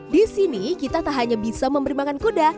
di sini kita tak hanya bisa memberi makan kuda